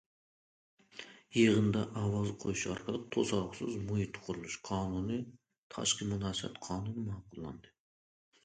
يىغىندا ئاۋازغا قويۇش ئارقىلىق، توسالغۇسىز مۇھىت قۇرۇلۇشى قانۇنى، تاشقى مۇناسىۋەت قانۇنى ماقۇللاندى.